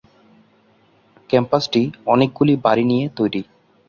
ক্যাম্পাসটি অনেকগুলি বাড়ি নিয়ে তৈরী।